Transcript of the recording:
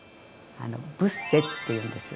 あのブッセっていうんですよ。